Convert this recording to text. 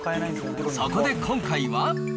そこで今回は。